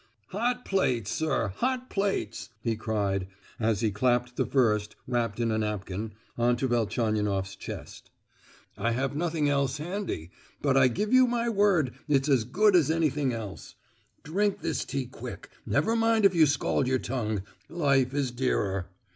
"Hot plates, sir, hot plates," he cried, as he clapped the first, wrapped in a napkin, on to Velchaninoff's chest. "I have nothing else handy; but I give you my word it's as good as anything else. Drink this tea quick, never mind if you scald your tongue—life is dearer.